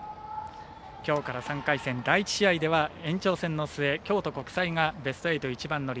きょうから３回戦、第１試合では延長戦の末、京都国際がベスト８一番乗り。